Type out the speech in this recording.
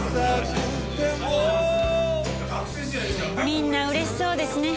みんな嬉しそうですね。